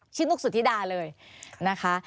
นุกสุธิดาเลยนะคะ